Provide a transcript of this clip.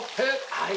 はい！